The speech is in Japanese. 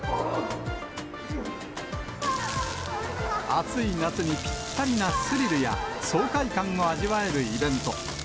暑い夏にぴったりなスリルや爽快感を味わえるイベント。